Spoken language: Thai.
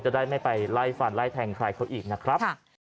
ได้ไม่ไปไล่ฟันไล่แทงใครเขาอีกนะครับ